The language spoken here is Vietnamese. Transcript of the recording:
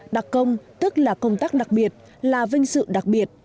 đặc công tức là công tác đặc biệt là vinh sự đặc biệt